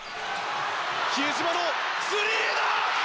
比江島のスリーだ！